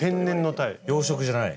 養殖じゃない。